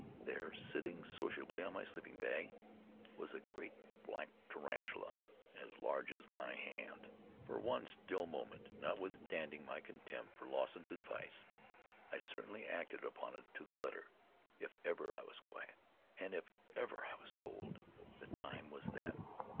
There, sitting sociably on my sleeping bag was a great black tarantula, as large as my hand. For one still moment, notwithstanding my contempt for Lawson's advice, I certainly acted upon it to the letter. If ever I was quiet, and if ever I was cold, the time was then.